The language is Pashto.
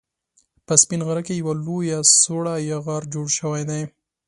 په سپين غره کې يوه لويه سوړه يا غار جوړ شوی دی